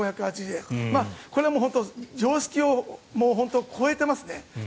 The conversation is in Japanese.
これは本当に常識を超えていますね。